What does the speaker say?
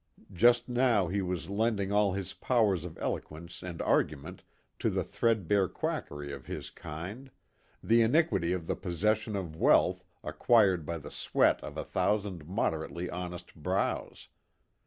Just now he was lending all his powers of eloquence and argument to the threadbare quackery of his kind; the iniquity of the possession of wealth acquired by the sweat of a thousand moderately honest brows.